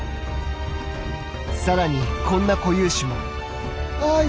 さらにこんな固有種も。